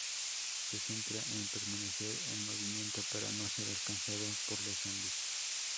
Se centra en permanecer en movimiento para no ser alcanzado por los zombis.